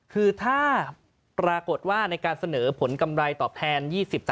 คือถ้าปรากฏว่าในการเสนอผลกำไรตอบแทน๒๐